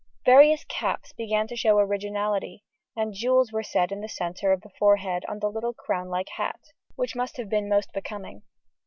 Various caps began to show originality, and jewels were set in the centre of the forehead on the little crown like hat, which must have been most becoming.